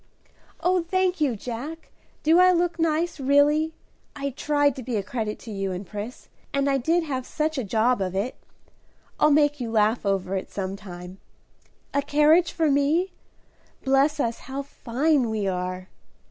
"Oh, thank you, Jack! Do I look nice, really? I tried to be a credit to you and Pris, and I did have such a job of it. I'll make you laugh over it some time. A carriage for me? Bless us, how fine we are!"